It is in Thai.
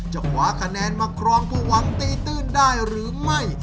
ขวาคะแนนมาครองผู้หวังตีตื้นได้หรือไม่